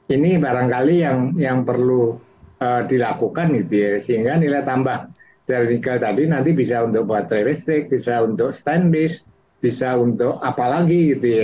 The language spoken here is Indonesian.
ini barangkali yang perlu dilakukan sehingga nilai tambah dari nikel tadi nanti bisa untuk baterai listrik bisa untuk stainless bisa untuk apa lagi